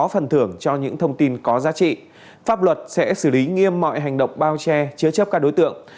pháp luật sẽ xử lý nghiêm mọi hành động bao che chứa chấp các đối tượng